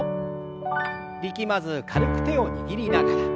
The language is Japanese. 力まず軽く手を握りながら。